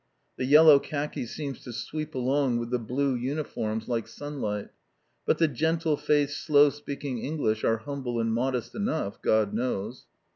The yellow khaki seems to sweep along with the blue uniforms like sunlight. But the gentle faced, slow speaking English are humble and modest enough, God knows!